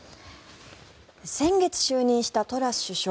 先月就任したトラス首相。